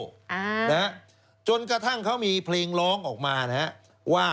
อ้าวนะครับจนกระทั่งเขามีเพลงร้องออกมานะครับ